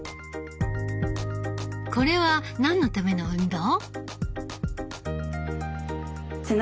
これは何のための運動？